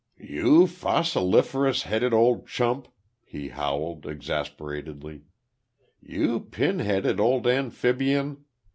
"You fossiliferous headed old chump," he howled, exasperatedly. "You pin headed old amphibian.